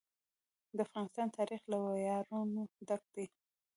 د افغانستان تاریخ له ویاړونو ډک دی.